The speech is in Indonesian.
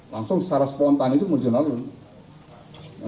langsung secara spontan itu menjual lalu lalu